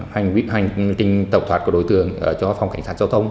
hành trình tàu thoát của đối tượng cho phòng cảnh sát giao thông